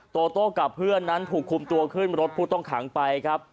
โตโต้กับเพื่อนนั้นถูกคุมตัวขึ้นรถผู้ต้องขังไปครับ